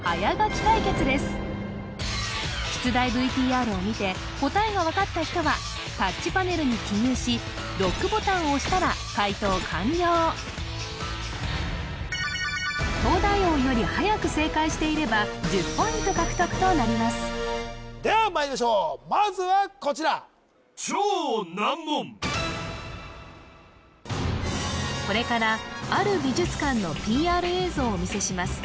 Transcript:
出題ＶＴＲを見て答えが分かった人はタッチパネルに記入しロックボタンを押したら解答完了東大王よりはやく正解していれば１０ポイント獲得となりますではまいりましょうまずはこちらこれからある美術館のＰＲ映像をお見せします